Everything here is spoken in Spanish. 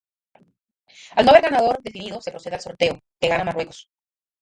Al no haber ganador definido se procede al sorteo, que gana Marruecos.